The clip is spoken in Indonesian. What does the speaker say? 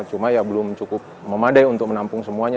cuma ya belum cukup memadai untuk menampung semuanya